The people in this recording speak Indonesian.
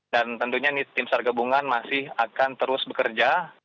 dan tentunya tim sargebungan masih akan terus bekerja